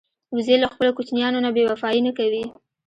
وزې له خپلو کوچنیانو نه بېوفايي نه کوي